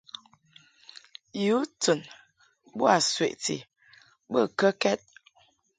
Yu tɨn boa sweʼti bə kəkɛd ?